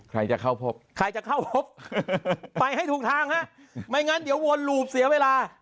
ใครจะเข้าพบไปให้ถูกทางนะไม่งั้นเดี๋ยววนหลูบเสียเวลา